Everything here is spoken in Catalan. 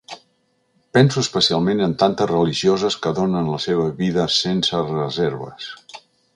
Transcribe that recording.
Penso especialment en tantes religioses que donen la seva vida sense reserves.